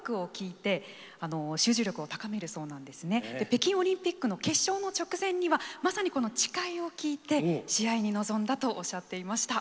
北京オリンピックの決勝の直前にはまさにこの「誓い」を聴いて試合に臨んだとおっしゃっていました。